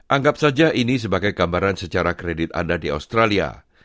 anggap saja ini sebagai gambaran secara kredit anda di australia